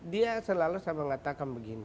dia selalu saya mengatakan begini